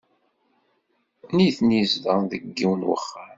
Nitni zedɣen deg yiwen wexxam.